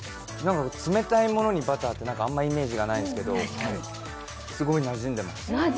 冷たいものにバターってあんまりイメージないんですけどすごいなじんでます。